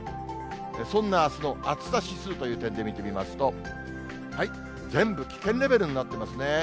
そんなあすの暑さ指数という点で見てみますと、全部危険レベルになっていますね。